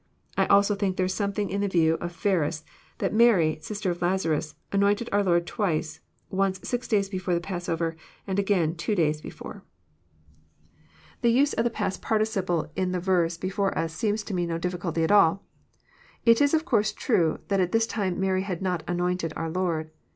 I also think there is something in the view, of Ferns, that Mary, sister of Lazaras, anointed our Lord twice, once six days before the passover, and once again two dayi before. 238 EXPOSITORY THOUGHTS. The nse of the past participle in the verse before us seems to me no difficnlty at all. It is of course trne that at this time Mary had not anointed our Lord.